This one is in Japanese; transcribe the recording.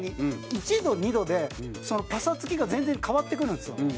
１度、２度で、パサつきが全然変わってくるんですよ。